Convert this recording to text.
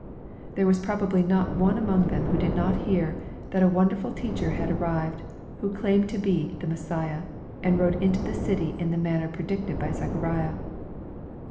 There was probably not one among them who did not hear that a wonderful teacher had ar rived, who claimed to be the Messiah, and rode into the city in the manner predicted by Zechariah.